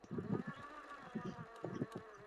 川滇槲蕨为槲蕨科槲蕨属下的一个种。